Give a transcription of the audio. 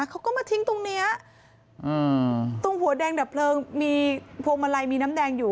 เขาก็มาทิ้งตรงเนี้ยอืมตรงหัวแดงดับเพลิงมีพวงมาลัยมีน้ำแดงอยู่